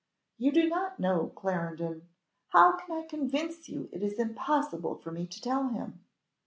You do not know Clarendon. How can I convince you it is impossible for me to tell him?